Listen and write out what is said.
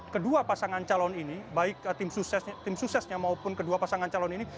kedua pasangan calon ini baik tim suksesnya maupun kedua pasangan calon ini